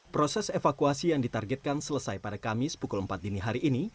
proses evakuasi yang ditargetkan selesai pada kamis pukul empat dini hari ini